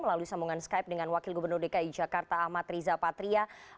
melalui sambungan skype dengan wakil gubernur dki jakarta ahmad riza patria